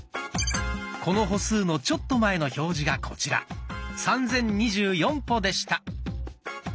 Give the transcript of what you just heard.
この歩数のちょっと前の表示がこちら３，０２４歩でした。